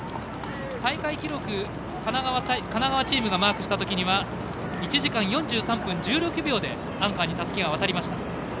大会記録、神奈川チームがマークしたときには１時間４３分１６秒でアンカーにたすきが渡りました。